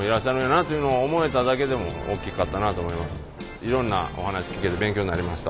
いろんなお話聞けて勉強になりました。